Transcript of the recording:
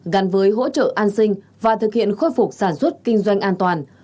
gắn với hỗ trợ an sinh và thực hiện khôi phục sản xuất kinh doanh an toàn